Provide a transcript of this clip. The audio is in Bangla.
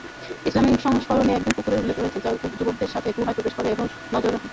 ইসলামিক সংস্করণে একজন কুকুরের উল্লেখ রয়েছে যা যুবকদের সাথে গুহায় প্রবেশ করে এবং নজর রাখে।